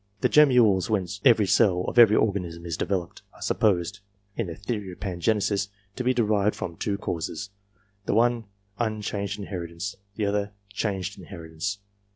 The gemmules whence every cell of every organism is developed, are supposed, in the theory of Pangenesis, to be derived from two causes : the one, unchanged inheritance ; the other, changed inheritance.